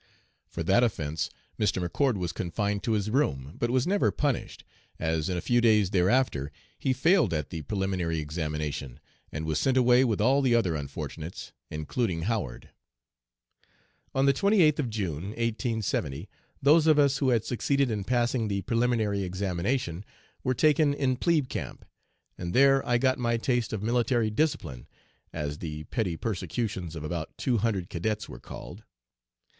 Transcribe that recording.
For that offence Mr. McCord was confined to his room, but was never punished, as in a few days thereafter he failed at the preliminary examination, and was sent away with all the other unfortunates, including Howard. "On the 28th of June, 1870, those of us who had succeeded in passing the preliminary examination were taken in 'plebe camp,' and there I got my taste of 'military discipline,' as the petty persecutions of about two hundred cadets were called.